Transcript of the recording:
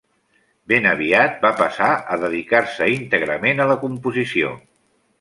Ben aviat va passar a dedicar-se íntegrament a la composició.